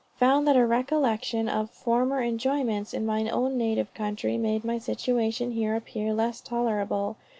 Found that a recollection of former enjoyments in my own native country, made my situation here appear less tolerable.